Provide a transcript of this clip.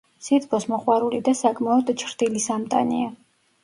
სითბოს მოყვარული და საკმაოდ ჩრდილის ამტანია.